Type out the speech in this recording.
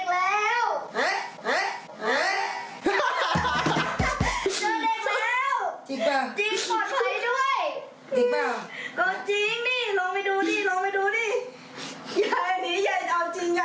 ยายลงไปดูในตาเนี่ย